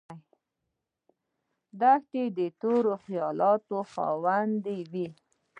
دښمن د تورو خیالاتو خاوند وي